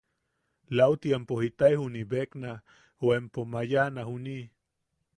Lauti empo jitae juniʼi bekna o empo mayaʼana juniʼi...